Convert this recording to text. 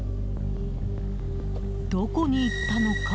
どこに行ったのか？